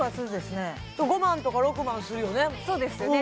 そうですよね